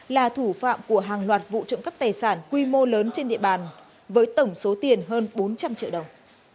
là thủ phạm của hàng loạt vụ trộm cắp tài sản quy mô lớn trên địa bàn với tổng số tiền hơn bốn trăm linh triệu đồng